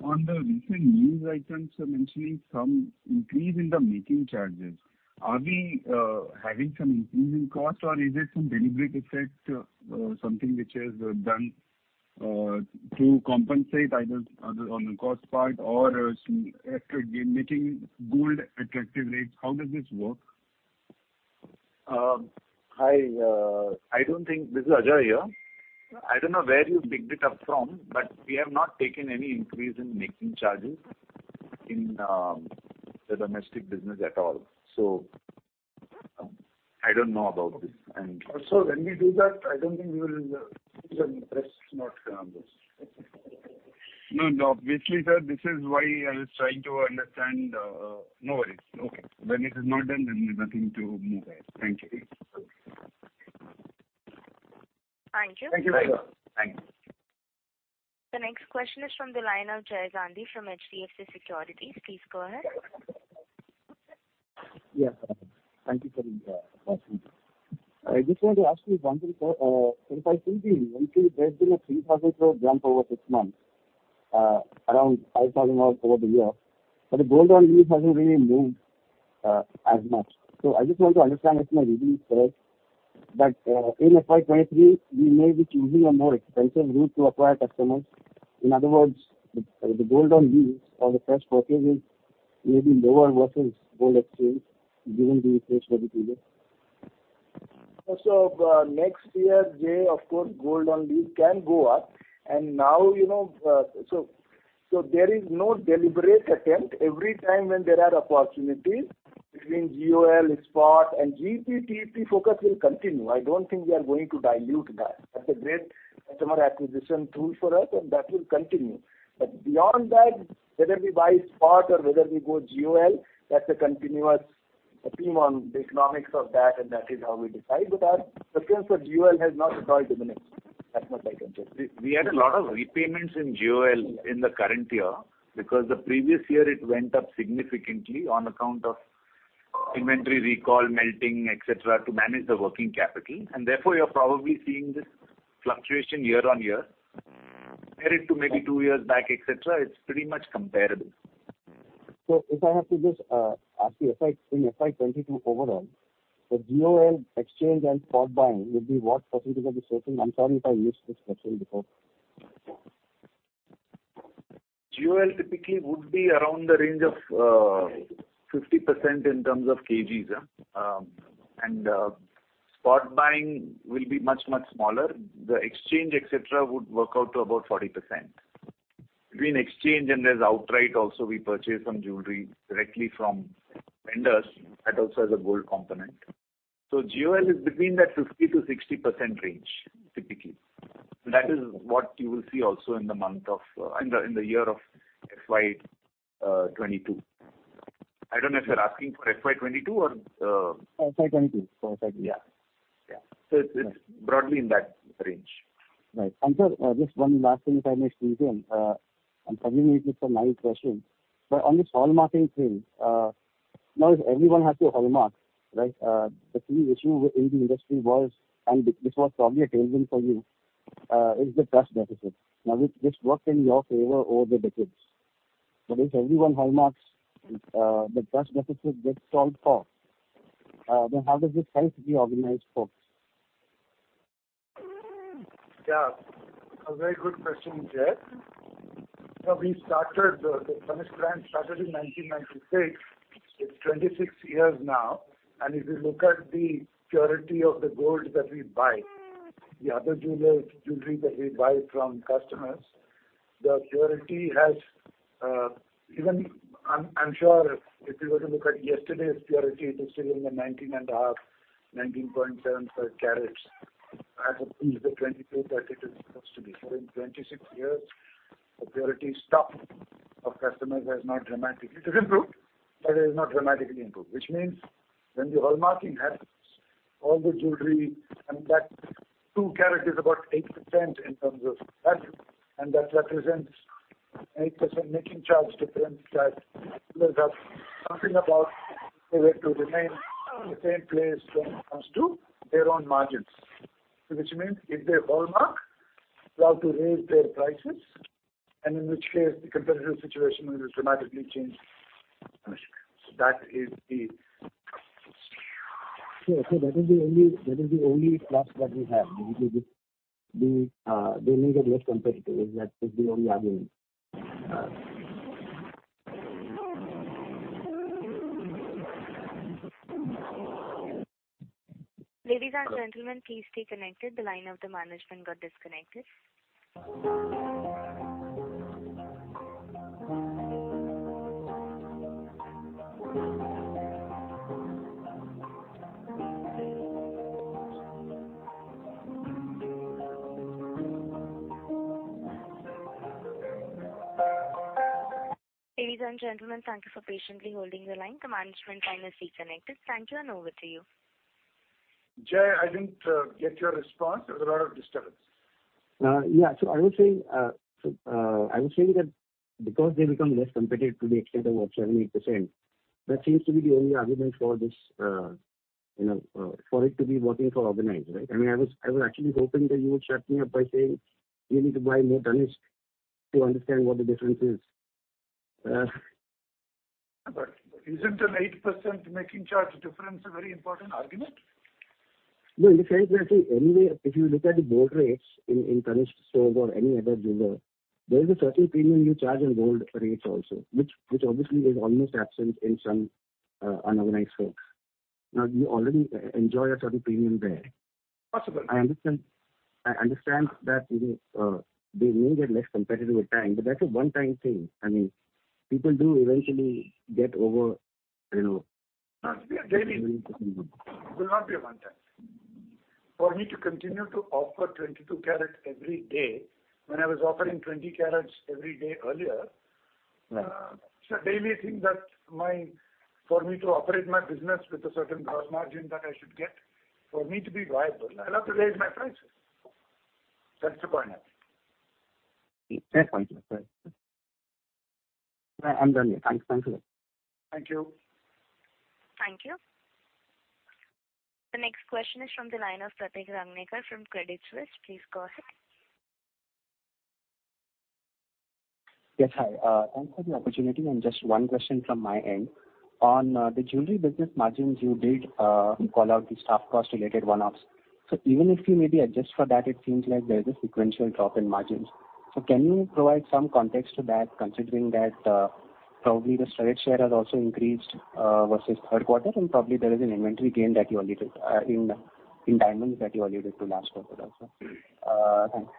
on the recent news items mentioning some increase in the making charges. Are we having some increase in cost or is it some deliberate effect, something which is done to compensate either on the cost part or some effort in making gold attractive rates? How does this work? Hi, this is Ajoy here. I don't know where you picked it up from, but we have not taken any increase in making charges in the domestic business at all. I don't know about this. When we do that, I don't think we will see the press not turn on this. No, no. Basically, sir, this is why I was trying to understand. No worries. Okay. When it is not done, then there's nothing to move ahead. Thank you. Thank you. Thank you very much. Thank you. The next question is from the line of Jay Gandhi from HDFC Securities. Please go ahead. Yes. Thank you for the opportunity. I just want to ask you, in FY23, you actually raised INR 3,000 crore ramp over six months, around 5,000 crore over the year. The gold on lease hasn't really moved as much. I just want to understand if my reading is correct that, in FY23, you may be choosing a more expensive route to acquire customers. In other words, the gold on lease or the fresh purchases may be lower versus gold exchange given the inflationary pressure. Next year, Jay, of course, gold on lease can go up. Now, you know, so there is no deliberate attempt every time when there are opportunities between GOL, spot and GEP-TEP focus will continue. I don't think we are going to dilute that. That's a great customer acquisition tool for us, and that will continue. Beyond that, whether we buy spot or whether we go GOL, that's a continuous team on the economics of that, and that is how we decide. Our preference for GOL has not at all diminished. That's what I can say. We had a lot of repayments in GOL in the current year because the previous year it went up significantly on account of inventory recall, melting, et cetera, to manage the working capital. Therefore, you're probably seeing this fluctuation year on year. Compare it to maybe two years back, et cetera, it's pretty much comparable. If I have to just ask you, in FY22 overall, the GOL exchange and spot buying would be what percentage of the sourcing? I'm sorry if I asked this question before. GOL typically would be around the range of 50% in terms of kgs, and spot buying will be much smaller. The exchange, et cetera, would work out to about 40%. Between exchange and there's outright also we purchase some jewelry directly from vendors that also has a gold component. So GOL is between that 50%-60% range typically. That is what you will see also in the year of FY22. I don't know if you're asking for FY22 or Sorry, FY22. Yeah. It's broadly in that range. Right. Sir, just one last thing if I may squeeze in. I'm probably making this a naive question, but on this hallmarking thing, now if everyone has to hallmark, right? The key issue within the industry was, and this was probably a tailwind for you, is the trust deficit. Now this worked in your favor over the decades. But if everyone hallmarks, the trust deficit gets solved for, then how does this help the organized folks? Yeah. A very good question, Jay. Now we started, the Tanishq brand started in 1996. It's 26 years now. If you look at the purity of the gold that we buy, the other jeweler's jewelry that we buy from customers, the purity has, even I'm sure if you were to look at yesterday's purity, it is still in the 19.5, 19.75 carats as opposed to 22 that it is supposed to be. In 26 years, the purity stock of customers has not dramatically improved. It has improved, but it has not dramatically improved. Which means when the hallmarking happens, all the jewelry, I mean that two carats is about 8% in terms of value, and that represents 8% making charge difference that jewelers have to do something about if they were to remain in the same place when it comes to their own margins. Which means if they hallmark, they'll have to raise their prices, and in which case the competitive situation will dramatically change for Tanishq. That is the That is the only plus that you have. Maybe they may get less competitive. That is the only argument. Uh. Ladies and gentlemen, please stay connected. The line of the management got disconnected. Ladies and gentlemen, thank you for patiently holding the line. The management line is reconnected. Thank you, and over to you. Jay, I didn't get your response. There was a lot of disturbance. I would say that because they become less competitive to the extent of about 7%-8%, that seems to be the only argument for this, you know, for it to be working for organized, right? I mean, I was actually hoping that you would shut me up by saying you need to buy more Tanishq to understand what the difference is. Isn't an 8% making charge difference a very important argument? No, in the sense that, see, anyway, if you look at the gold rates in Tanishq store or any other jeweler, there is a certain premium you charge in gold rates also, which obviously is almost absent in some unorganized folks. Now, you already enjoy a certain premium there. Possible. I understand that, you know, they may get less competitive with time, but that's a one-time thing. I mean, people do eventually get over, you know. Must be a daily. It will not be a one time. For me to continue to offer 22 karat every day when I was offering 20 karats every day earlier. It's a daily thing that for me to operate my business with a certain gross margin that I should get. For me to be viable, I'll have to raise my prices. That's the point. Yes, absolutely. I'm done here. Thanks. Thanks a lot. Thank you. Thank you. The next question is from the line of Pratik Rangnekar from Credit Suisse. Please go ahead. Yes, hi. Thanks for the opportunity, and just one question from my end. On the jewelry business margins, you did call out the staff cost related one-offs. Even if you maybe adjust for that, it seems like there's a sequential drop in margins. Can you provide some context to that, considering that probably the studded share has also increased versus third quarter, and probably there is an inventory gain that you alluded in diamonds that you alluded to last quarter also? Thanks.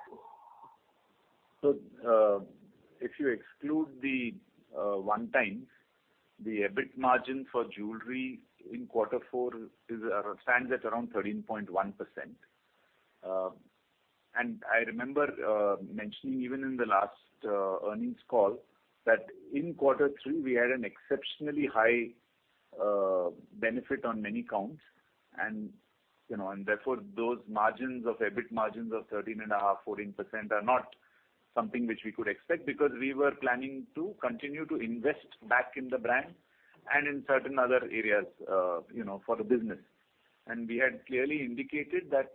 If you exclude the one-offs, the EBIT margin for jewelry in quarter four stands at around 13.1%. I remember mentioning even in the last earnings call that in quarter three we had an exceptionally high benefit on many counts and, you know, therefore those EBIT margins of 13.5%, 14% are not something which we could expect because we were planning to continue to invest back in the brand and in certain other areas, you know, for the business. We had clearly indicated that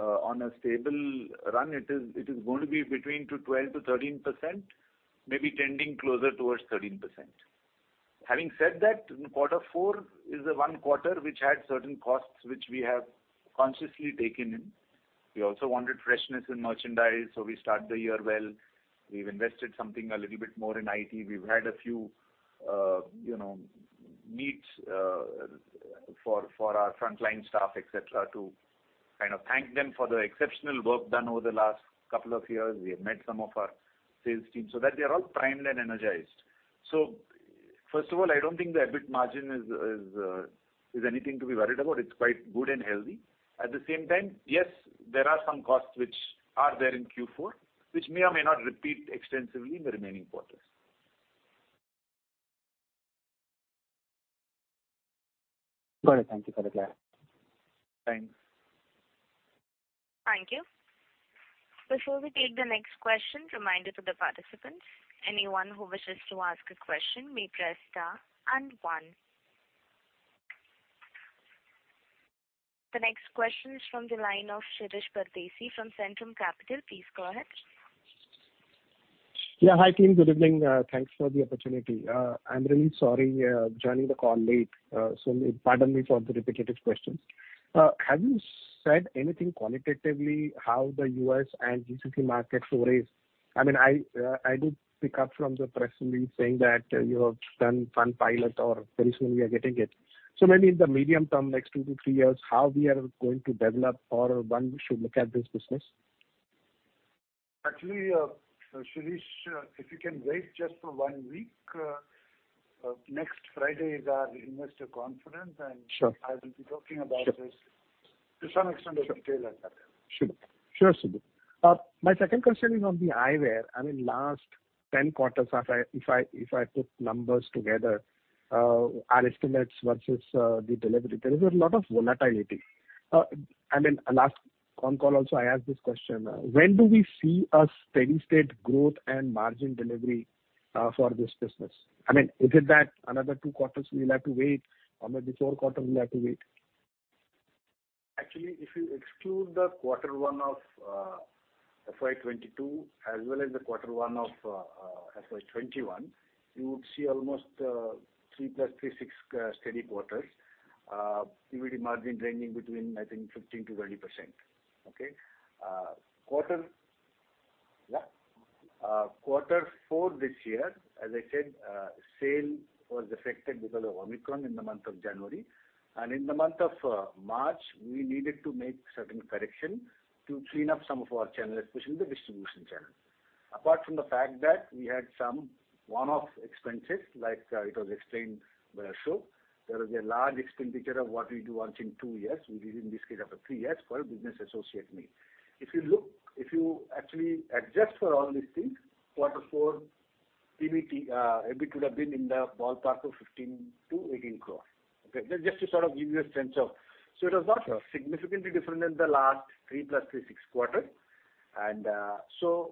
on a stable run, it is going to be between ten to twelve to thirteen percent, maybe trending closer towards 13%. Having said that, quarter four is the one quarter which had certain costs which we have consciously taken in. We also wanted freshness in merchandise, so we start the year well. We've invested something a little bit more in IT. We've had a few, you know, needs, for our front line staff, et cetera, to kind of thank them for the exceptional work done over the last couple of years. We have met some of our sales team so that they are all primed and energized. First of all, I don't think the EBIT margin is anything to be worried about. It's quite good and healthy. At the same time, yes, there are some costs which are there in Q4 which may or may not repeat extensively in the remaining quarters. Got it. Thank you for the clarity. Thanks. Thank you. Before we take the next question, reminder to the participants, anyone who wishes to ask a question, may press star and one. The next question is from the line of Shirish Pardeshi from Centrum Capital. Please go ahead. Yeah. Hi, team. Good evening. Thanks for the opportunity. I'm really sorry, joining the call late, so pardon me for the repetitive questions. Have you said anything quantitatively how the U.S. and GCC market will grow? I mean, I did pick up from the press release saying that you have done one pilot or very soon we are getting it. Maybe in the medium term, next two to three years, how we are going to develop or one should look at this business. Actually, Shirish, if you can wait just for one week, next Friday is our investor conference, and Sure. I will be talking about this to some extent in detail at that time. Sure, [a]. My second question is on the eyewear. I mean, last 10 quarters, if I put numbers together, our estimates versus the delivery, there is a lot of volatility. I mean, last con call also I asked this question. When do we see a steady state growth and margin delivery for this business? I mean, is it that another two quarters we'll have to wait or maybe four quarters we'll have to wait? Actually, if you exclude the quarter one of FY22 as well as the quarter one of FY21, you would see almost three plus three, six steady quarters. PBT margin ranging between, I think, 15%-20%. Okay. Quarter. Yeah. Quarter four this year, as I said, sale was affected because of Omicron in the month of January. In the month of March, we needed to make certain correction to clean up some of our channels, especially the distribution channel. Apart from the fact that we had some one-off expenses, like, it was explained by Ashok, there was a large expenditure of what we do once in two years. We did in this case after three years for a business associate meet. If you actually adjust for all these things, quarter four PBT, EBIT could have been in the ballpark of 15-18 crore. Okay? Just to sort of give you a sense of. It was not significantly different than the last three plus three, six quarter.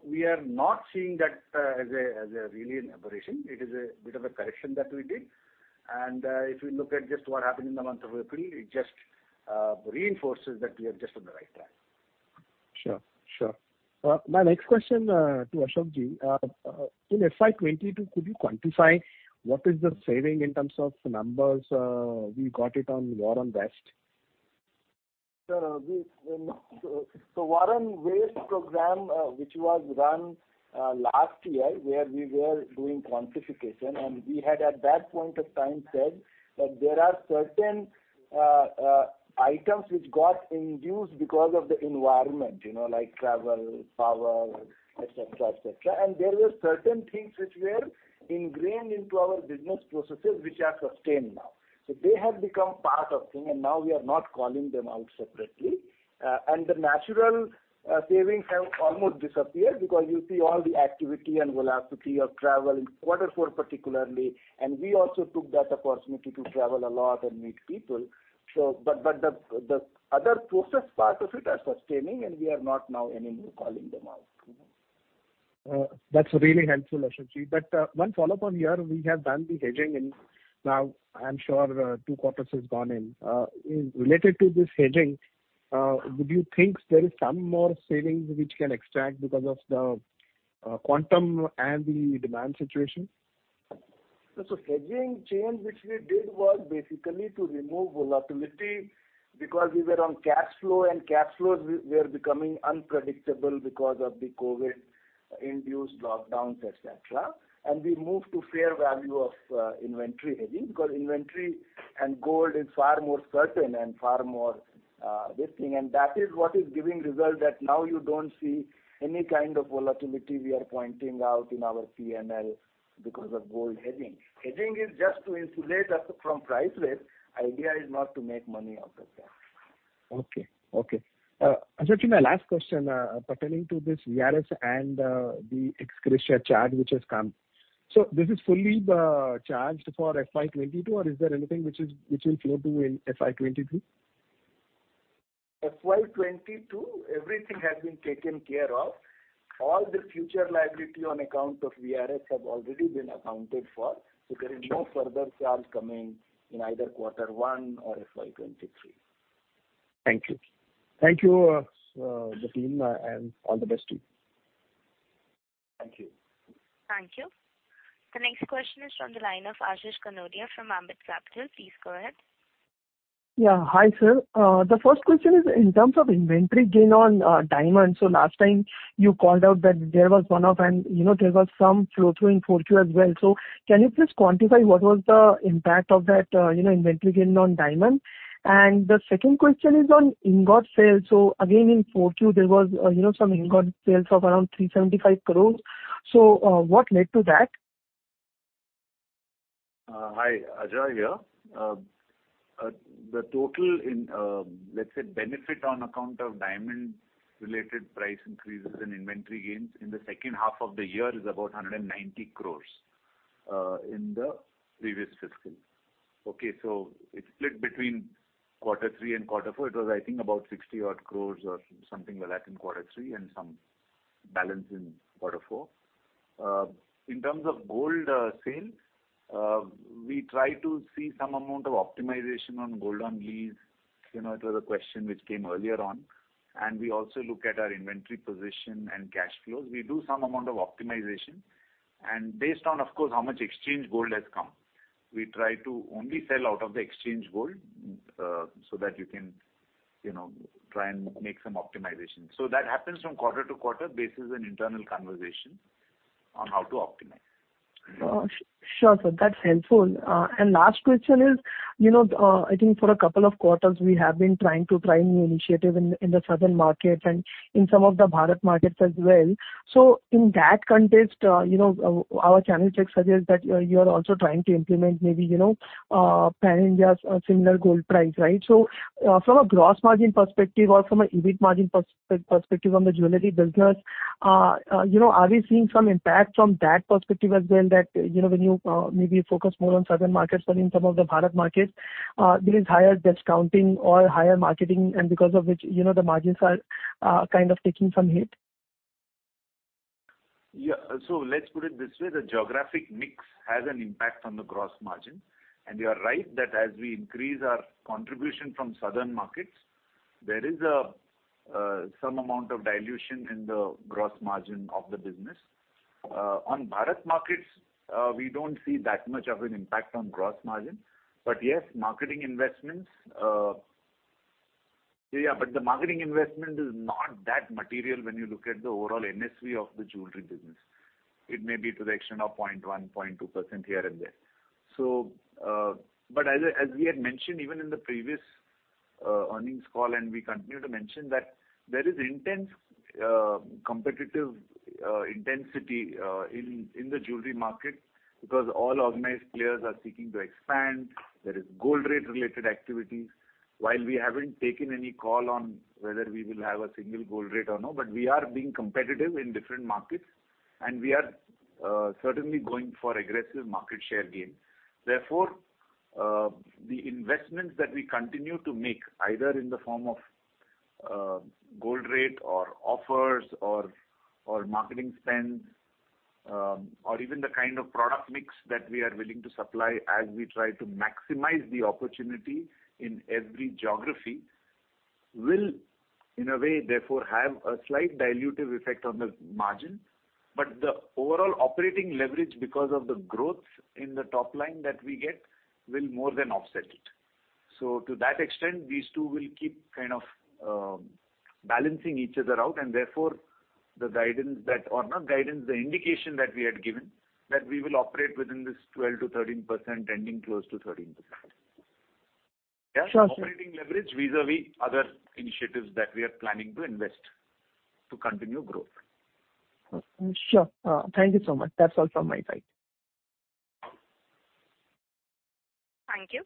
We are not seeing that as a really an aberration. It is a bit of a correction that we did. If you look at just what happened in the month of April, it just reinforces that we are just on the right track. Sure, sure. My next question to Ashok ji. In FY 22, could you quantify what is the saving in terms of numbers we got on war on Waste? The War on Waste program, which was run last year where we were doing quantification and we had at that point of time said that there are certain items which got induced because of the environment, you know, like travel, power, et cetera, et cetera. There were certain things which were ingrained into our business processes which are sustained now. They have become part of thing, and now we are not calling them out separately. The natural savings have almost disappeared because you see all the activity and velocity of travel in quarter four particularly, and we also took that opportunity to travel a lot and meet people. The other process part of it are sustaining, and we are not now anymore calling them out. That's really helpful, Ashok. One follow-up on here. We have done the hedging, and now I'm sure, two quarters is gone in. In related to this hedging, would you think there is some more savings which can extract because of the quantum and the demand situation? Hedging change, which we did, was basically to remove volatility because we were on cash flow, and cash flows were becoming unpredictable because of the COVID-induced lockdowns, etc. We moved to fair value of inventory hedging because inventory and gold is far more certain and far more predictable. That is what is giving result that now you don't see any kind of volatility we are pointing out in our PNL because of gold hedging. Hedging is just to insulate us from price risk. Idea is not to make money out of that. Okay, Ashok, my last question pertaining to this VRS and the ex-gratia charge which has come. This is fully charged for FY22, or is there anything which will flow through in FY23? FY22, everything has been taken care of. All the future liability on account of VRS have already been accounted for, so there is no further charge coming in either quarter one or FY23. Thank you. Thank you, Ashok and the team, and all the best to you. Thank you. Thank you. The next question is from the line of Ashish Kanodia from Ambit Capital. Please go ahead. Yeah. Hi, sir. The first question is in terms of inventory gain on diamonds. Last time you called out that there was one-off and, you know, there was some flow-through in 4Q as well. Can you please quantify what was the impact of that, inventory gain on diamond? And the second question is on ingot sales. Again, in 4Q there was some ingot sales of around 375 crore. What led to that? Hi. Ajoy here. The total benefit on account of diamond-related price increases and inventory gains in the second half of the year is about 190 crores in the previous fiscal. Okay, so it's split between quarter three and quarter four. It was, I think, about 60-odd crores or something like that in quarter three and some balance in quarter four. In terms of gold sales, we try to see some amount of optimization on gold on lease. You know, it was a question which came earlier on, and we also look at our inventory position and cash flows. We do some amount of optimization. Based on, of course, how much exchange gold has come, we try to only sell out of the exchange gold, so that you can, you know, try and make some optimization. That happens from quarter-to-quarter basis, an internal conversation on how to optimize. Sure, sir. That's helpful. Last question is, you know, I think for a couple of quarters we have been trying new initiative in the southern markets and in some of the Bharat markets as well. In that context, you know, our channel check suggests that you're also trying to implement maybe, you know, pan-India similar gold price, right? From a gross margin perspective or from a EBIT margin perspective on the jewelry business, you know, are we seeing some impact from that perspective as well that, you know, when you maybe focus more on southern markets or in some of the Bharat markets, there is higher discounting or higher marketing and because of which, you know, the margins are kind of taking some hit? Yeah. Let's put it this way, the geographic mix has an impact on the gross margin. You are right that as we increase our contribution from southern markets, there is some amount of dilution in the gross margin of the business. On Bharat markets, we don't see that much of an impact on gross margin. Yes, marketing investments. Yeah, but the marketing investment is not that material when you look at the overall NSV of the jewelry business. It may be to the extent of 0.1%, 0.2% here and there. As we had mentioned even in the previous earnings call and we continue to mention that there is intense competitive intensity in the jewelry market because all organized players are seeking to expand. There is gold rate-related activities. While we haven't taken any call on whether we will have a single gold rate or no, but we are being competitive in different markets, and we are certainly going for aggressive market share gain. Therefore, the investments that we continue to make, either in the form of gold rate or offers or marketing spends, or even the kind of product mix that we are willing to supply as we try to maximize the opportunity in every geography, will, in a way, therefore have a slight dilutive effect on the margin. But the overall operating leverage because of the growth in the top line that we get will more than offset it. So to that extent, these two will keep kind of balancing each other out, and therefore the guidance that not guidance, the indication that we had given, that we will operate within this 12%-13%, ending close to 13%. Yeah. Sure, sir. Operating leverage vis-à-vis other initiatives that we are planning to invest to continue growth. Sure. Thank you so much. That's all from my side. Thank you.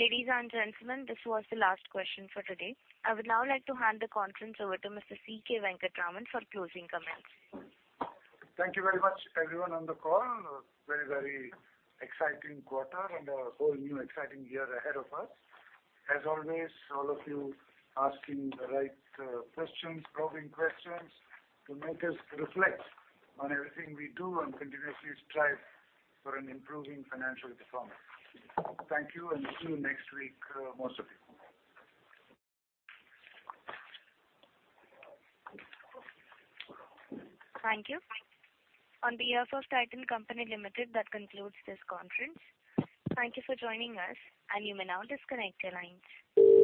Ladies and gentlemen, this was the last question for today. I would now like to hand the conference over to Mr. C.K. Venkataraman for closing comments. Thank you very much, everyone on the call. A very, very exciting quarter and a whole new exciting year ahead of us. As always, all of you asking the right questions, probing questions to make us reflect on everything we do and continuously strive for an improving financial performance. Thank you, and see you next week, most of you. Thank you. On behalf of Titan Company Limited, that concludes this conference. Thank you for joining us, and you may now disconnect your lines.